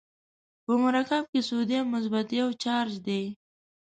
په مرکب کې سودیم مثبت یو چارج دی.